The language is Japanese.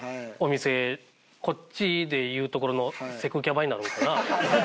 こっちで言うところのセクキャバになるのかな？